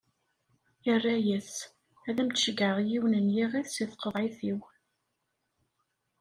Irra-as: Ad m-d-ceggɛeɣ yiwen n yiɣid si tqeḍɛit-iw.